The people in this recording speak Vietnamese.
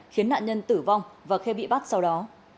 khiến nạn nhân tử vong và khê bị bắt sau đó